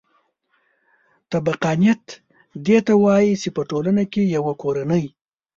طبقاتیت دې ته وايي چې په ټولنه کې یوه کورنۍ